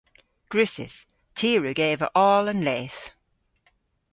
Gwrussys. Ty a wrug eva oll an leth.